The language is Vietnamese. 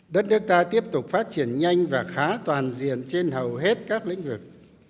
đất nước ta tiếp tục phát triển nhanh và khá toàn diện trên hầu hết các lĩnh vực